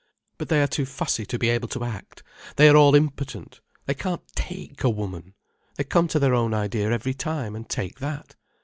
But they are too fussy to be able to act; they are all impotent, they can't take a woman. They come to their own idea every time, and take that.